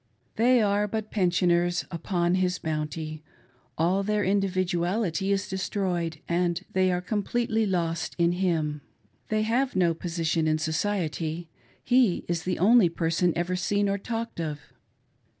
They are but pensioners upon his bounty ; all their individuality is destroyed, and they are completely lost in him. They have no position in society — he is the only person ever seen or talked of.